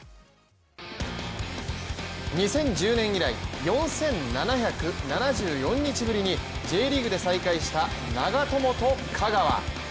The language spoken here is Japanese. ２０１０年以来４７７４日ぶりにＪリーグで再会した長友と香川。